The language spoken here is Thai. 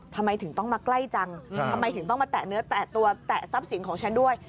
ทำไมถึงต้องมาใกล้จังทำไมถึงต้องมาแตะเนื้อแตะตัวแตะทรัพย์สินของฉันด้วย